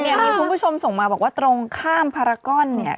เนี่ยมีคุณผู้ชมส่งมาบอกว่าตรงข้ามพารากอนเนี่ย